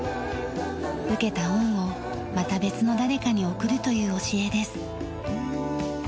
受けた恩をまた別の誰かに送るという教えです。